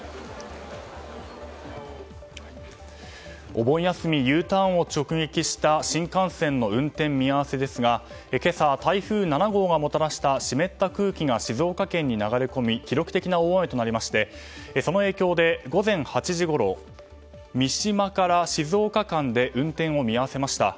お盆休み、Ｕターンを直撃した新幹線の運転見合わせですが今朝、台風７号がもたらした湿った空気が静岡県に流れ込み記録的な大雨となりましてその影響で午前８時ごろ三島から静岡間で運転を見合わせました。